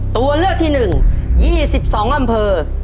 ตัวเลือกที่๑๒๒อำเภอ